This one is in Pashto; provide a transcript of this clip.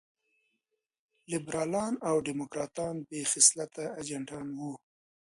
لېبرالان او ډيموکراټان بې خصلته اجنټان وو.